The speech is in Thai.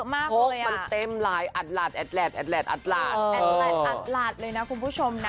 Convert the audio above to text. มันเต็มลายอัตลัดอัตลัดอัตลัดอัตลัดเลยนะคุณผู้ชมนะ